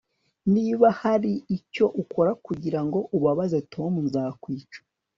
Niba hari icyo ukora kugirango ubabaza Tom nzakwica